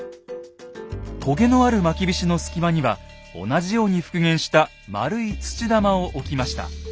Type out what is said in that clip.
とげのあるまきびしの隙間には同じように復元した丸い土玉を置きました。